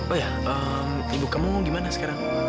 oh ya ibu kamu gimana sekarang